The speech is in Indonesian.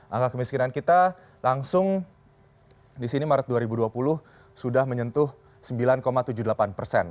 angka kemiskinan kita langsung di sini maret dua ribu dua puluh sudah menyentuh sembilan tujuh puluh delapan persen